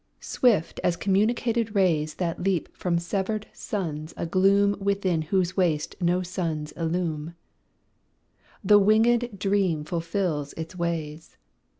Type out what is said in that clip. Swift as communicated rays That leap from severed suns a gloom Within whose waste no suns illume, The wingèd dream fulfilled its ways.